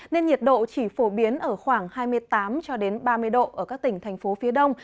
nên nhiệt độ chỉ phổ biến ở khoảng hai mươi tám ba mươi độ ở các tỉnh thành phố phía đông